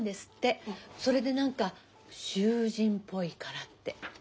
それで何か囚人っぽいからって。